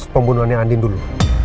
pembunuhannya andin dulu